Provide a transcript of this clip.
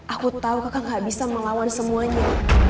aku tahu kakak gak bisa melawan semuanya